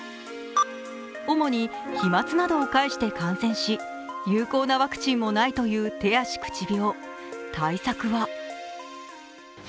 おもに飛まつなどを介して感染し、有効なワクチンもないという手足口病。